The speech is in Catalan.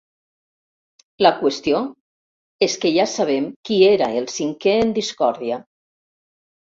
La qüestió és que ja sabem qui era el cinquè en discòrdia.